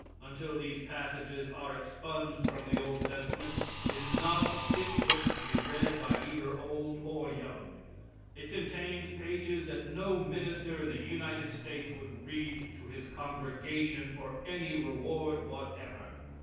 Until these passages are expunged from the old testament, it is not a fit book to be read by either old or young. It contains pages that no minister in the United States would read to his congregation for any reward whatever.